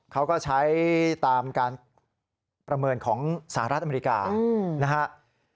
เขาก็ใช้ตามการประเมินของสหรัฐอเมริกานะครับ